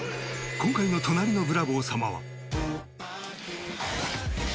今回の『隣のブラボー様』は。